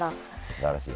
すばらしい。